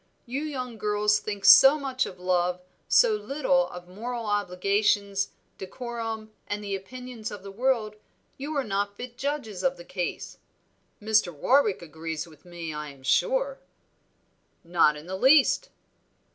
You young girls think so much of love, so little of moral obligations, decorum, and the opinions of the world, you are not fit judges of the case. Mr. Warwick agrees with me, I am sure." "Not in the least."